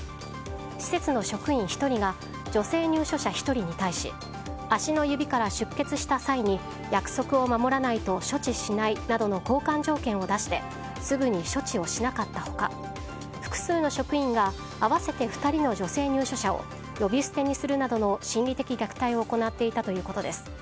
施設の職員１人が女性入所者１人に対し足の指から出血した際に約束を守らないと処置しないなどの交換条件を出してすぐに処置をしなかった他複数の職員が合わせて２人の女性入所者を呼び捨てにするなどの心理的虐待を行っていたということです。